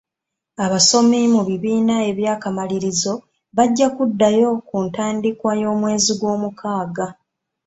Abasomi mu bibiina ebya kamalirizo bajja kuddayo ku ntandiikwa y'omwezi gw'omukaaga.